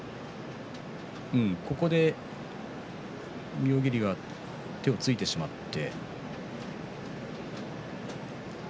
妙義龍は手をついてしまって。